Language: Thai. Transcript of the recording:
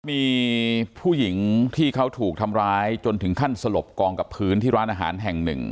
มีผู้หญิงที่เขาถูกทำร้ายจนถึงขั้นสลบกองกับพื้นที่ร้านอาหารแห่งหนึ่ง